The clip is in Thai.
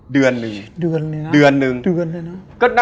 เดือนนึง